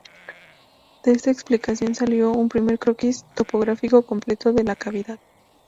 De esta expedición salió un primer croquis topográfico completo de la cavidad.